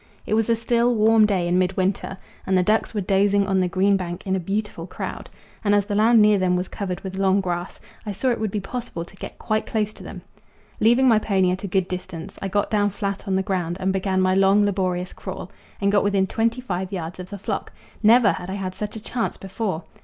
It was a still, warm day in mid winter, and the ducks were dozing on the green bank in a beautiful crowd, and as the land near them was covered with long grass, I saw it would be possible to get quite close to them. Leaving my pony at a good distance, I got down flat on the ground and began my long laborious crawl, and got within twenty five yards of the flock. Never had I had such a chance before!